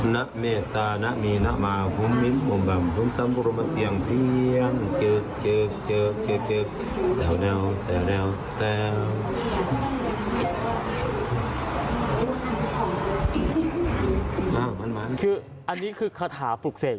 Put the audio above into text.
คืออันนี้คือคาถาปลูกเสกใช่ไหมเอาแบบ